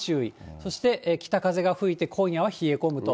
そして北風が吹いて、今夜は冷え込むと。